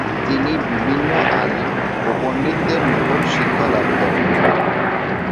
তিনি বিভিন্ন আলিম ও পণ্ডিতদের নিকট শিক্ষা লাভ করেন।